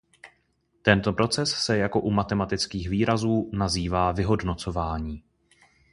Tento proces se jako u matematických výrazů nazývá vyhodnocování.